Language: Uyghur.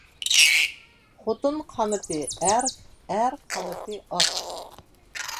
خوتۇن قانىتى ئەر، ئەر قانىتى ئات.